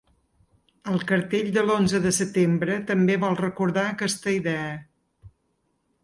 El cartell de l’onze de setembre també vol recordar aquesta idea.